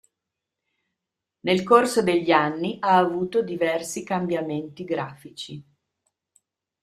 Nel corso degli anni ha avuto diversi cambiamenti grafici.